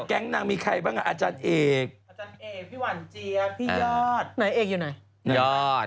แก๊งนางมีใครบ้างอ่ะอาจารย์เอกอาจารย์เอกพี่หวั่นเจียกพี่ยอด